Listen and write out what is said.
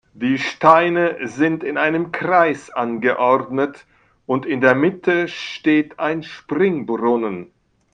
Die Steine sind in einem Kreis angeordnet und in der Mitte steht ein Springbrunnen.